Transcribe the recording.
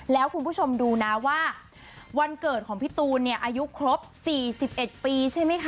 แล้วคุณผู้ชมดูนะว่าวันเกิดของพี่ตูนเนี่ยอายุครบ๔๑ปีใช่ไหมคะ